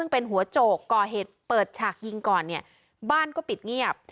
เป็นหัวโจกก่อเหตุเปิดฉากยิงก่อนเนี่ยบ้านก็ปิดเงียบ